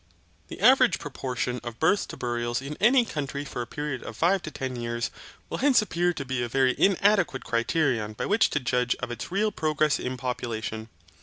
The average proportion of births to burials in any country for a period of five to ten years, will hence appear to be a very inadequate criterion by which to judge of its real progress in population.